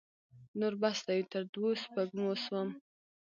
نور بس دی؛ تر دوو سپږمو سوم.